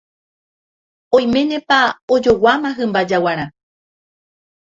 Oiménepa ojoguáma hymba jaguarã.